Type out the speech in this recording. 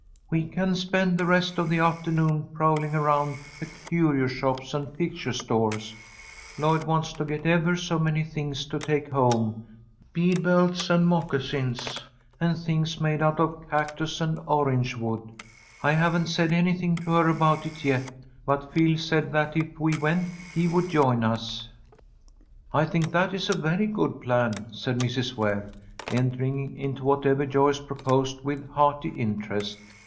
We can spend the rest of the afternoon prowling around the curio shops and picture stores. Lloyd wants to get ever so many things to take home, bead belts and moccasins, and things made out of cactus and orangewood. I haven't said anything to her about it yet, but Phil said that if we went he would join us." "I think that is a very good plan," said Mrs. Ware, entering into whatever Joyce proposed with hearty interest.